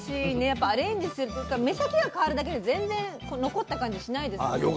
やっぱりアレンジするというか目先が変わるだけで全然残った感じしないですよね。